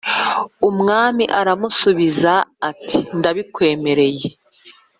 Umwami ararnusubiza ati ndabikwemereye